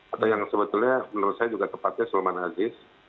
atau yang sebetulnya menurut saya juga tepatnya sulman aziz